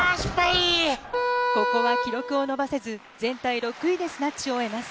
ここは記録を伸ばせず、全体６位でスナッチを終えます。